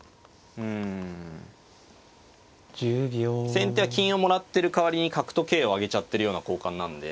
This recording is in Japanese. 先手は金をもらってる代わりに角と桂をあげちゃってるような交換なんで。